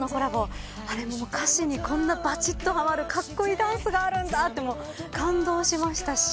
あれも歌詞にこんなばちっとはまるカッコイイダンスがあるんだって感動しましたし。